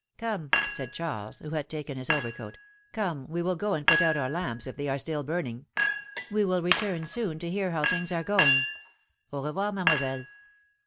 Come ! said Charles, who had taken his overcoat ; ^^come, we will go and put out our lamps if they are still burning. We will return soon to hear how things are going on ; au revoir, Mademoiselle.